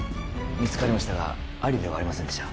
見つかりましたがアリではありませんでした